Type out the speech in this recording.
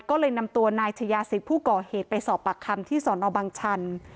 ก็เลยนำตัวนายชายาศิษย์ผู้ก่อเหตุไปสอบปากคำที่สอนอบังชัน